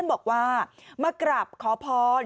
บอกว่ามากราบขอพร